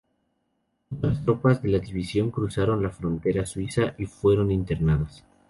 Otras tropas de la división cruzaron la frontera suiza y fueron internadas.